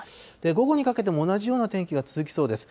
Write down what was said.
午後にかけても同じような天気が続きそうです。